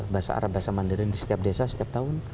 bahasa arab bahasa mandarin di setiap desa setiap tahun